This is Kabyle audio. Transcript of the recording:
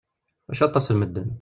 Ulac aṭas n medden.